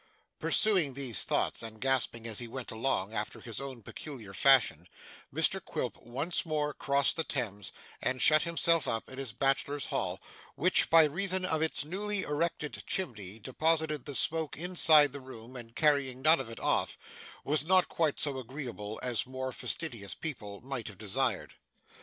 Pursuing these thoughts, and gasping as he went along, after his own peculiar fashion, Mr Quilp once more crossed the Thames, and shut himself up in his Bachelor's Hall, which, by reason of its newly erected chimney depositing the smoke inside the room and carrying none of it off, was not quite so agreeable as more fastidious people might have desired.